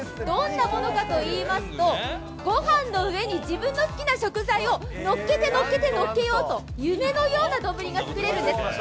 どんなものかといいますと、ごはんの上に自分の好きな食材をのっけてのっけてのっけようと、夢のような丼が作れるんです。